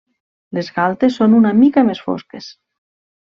Les galtes són una mica més fosques.